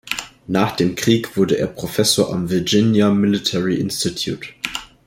Nach dem Krieg wurde er Professor am Virginia Military Institute.